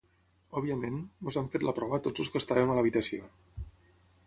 Òbviament, ens hem fet la prova tots els que estàvem a l’habitació.